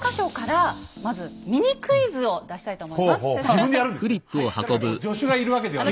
自分でやるんですね？